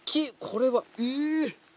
これは。え！